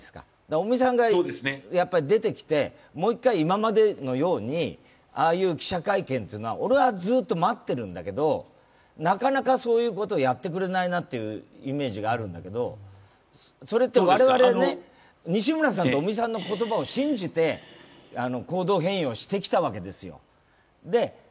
尾身さんが出てきてもう一回今までのようにああいう記者会見というのは俺はずっと待っているんだけれどもなかなかそういうことをやってくれないイメージがあるんだけれども、それって、我々、西村さんと尾身さんの言葉を信じて行動変容してきたわけですよ。